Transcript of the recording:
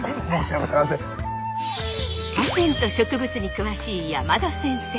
河川と植物に詳しい山田先生。